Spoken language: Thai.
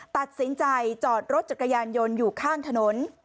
ตัดสินใจจอดรถจักรยานยนต์อยู่ข้างถนน